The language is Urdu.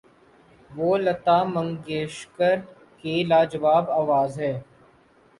وہ لتا منگیشکر کی لا جواب آواز ہے۔